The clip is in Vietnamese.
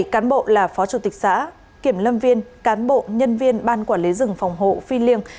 một mươi cán bộ là phó chủ tịch xã kiểm lâm viên cán bộ nhân viên ban quản lý rừng phòng hộ phi liêng